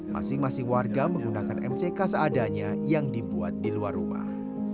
masing masing warga menggunakan mck seadanya yang dibuat di luar rumah